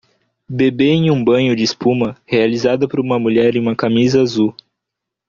Bebê em um banho de espuma, realizada por uma mulher em uma camisa azul